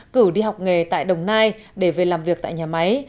cử đi học nghề tại đồng nai để về làm việc tại nhà máy